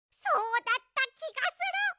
そうだったきがする！